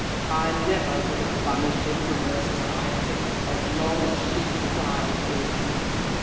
I never would have banished him from her society as long as she desired his.